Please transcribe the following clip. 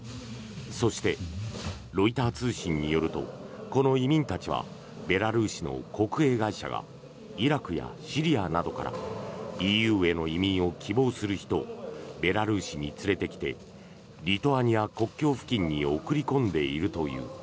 そして、ロイター通信によるとこの移民たちはベラルーシの国営会社がイラクやシリアなどからＥＵへの移民を希望する人をベラルーシに連れてきてリトアニア国境付近に送り込んでいるという。